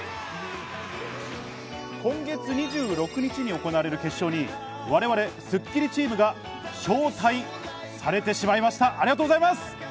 今月２６日に行われる決勝に我々、スッキリチームが招待されてしまいました、ありがとうございます！